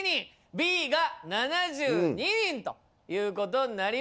Ｂが７２人ということになりました。